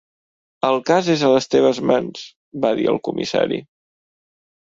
"El cas és a les teves mans", va dir el comissari.